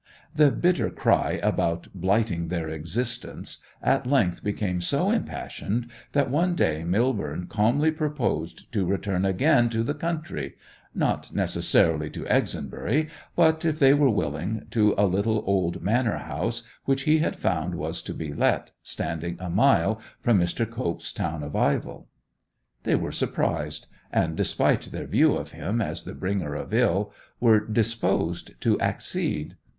The bitter cry about blighting their existence at length became so impassioned that one day Millborne calmly proposed to return again to the country; not necessarily to Exonbury, but, if they were willing, to a little old manor house which he had found was to be let, standing a mile from Mr. Cope's town of Ivell. They were surprised, and, despite their view of him as the bringer of ill, were disposed to accede.